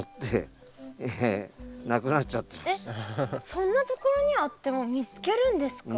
そんなところにあっても見つけるんですか？